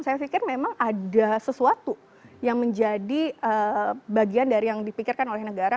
saya pikir memang ada sesuatu yang menjadi bagian dari yang dipikirkan oleh negara